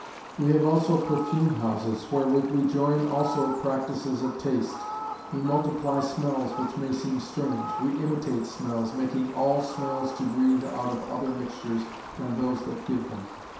"We have also perfume houses; wherewith we join also practices of taste. We multiply smells, which may seem strange. We imitate smells, making all smells to breathe outs of other mixtures than those that give them.